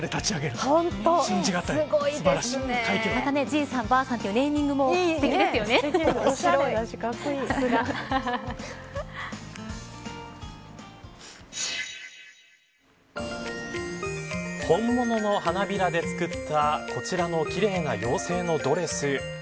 また、Ｇ３、Ｂ３という本物の花びらで作ったこちらのきれいな妖精のドレス。